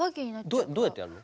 どうやってやんの？